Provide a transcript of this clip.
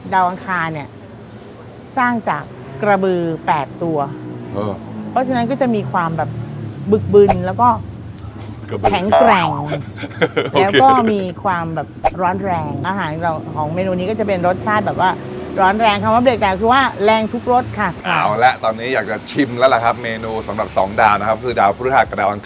อังคารเนี่ยสร้างจากกระบือแปดตัวเออเพราะฉะนั้นก็จะมีความแบบบึกบึนแล้วก็แข็งแกร่งแล้วก็มีความแบบร้อนแรงอาหารของเมนูนี้ก็จะเป็นรสชาติแบบว่าร้อนแรงคำว่าเบรกแตกคือว่าแรงทุกรสค่ะเอาละตอนนี้อยากจะชิมแล้วล่ะครับเมนูสำหรับสองดาวนะครับคือดาวพฤหัส